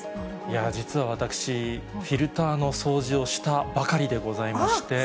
実は私、フィルターの掃除をしたばかりでございまして。